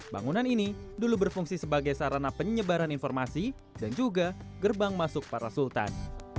bangunan ini dulu berfungsi sebagai sarana penyebaran informasi dan juga gerbang masuk para sultan